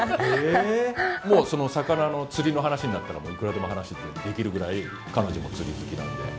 もうその魚の、釣りの話になったらいくらでも話できるぐらい、彼女も釣り好きなので。